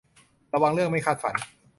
ระวังเรื่องไม่คาดฝัน